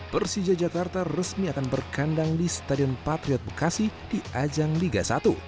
persija jakarta resmi akan berkandang di stadion patriot bekasi di ajang liga satu